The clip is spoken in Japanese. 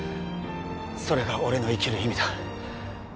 それが俺の生きる意味だ